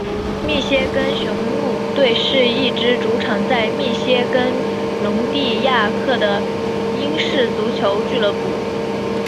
密歇根雄鹿队是一支主场在密歇根庞蒂亚克的英式足球俱乐部。